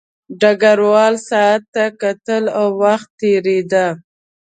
ډګروال ساعت ته کتل او وخت تېرېده